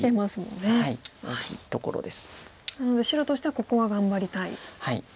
なので白としてはここは頑張りたい。